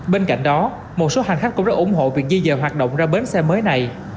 bên cạnh đó một số hành khách cũng rất ủng hộ việc di dời hoạt động ra bến xe mới này